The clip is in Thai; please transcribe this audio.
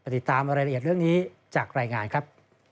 ติดตามรายละเอียดเรื่องนี้จากรายงานครับ